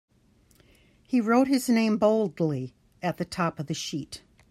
He wrote his name boldly at the top of the sheet.